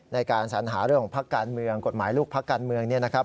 ในการสัญหาเรื่องของพักการเมืองกฎหมายลูกพักการเมืองเนี่ยนะครับ